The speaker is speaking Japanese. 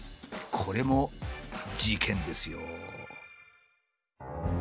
これも事件ですよ。